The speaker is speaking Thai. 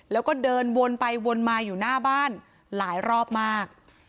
แล้วก็เดินวนไปวนมาอยู่หน้าบ้านหลายรอบมาก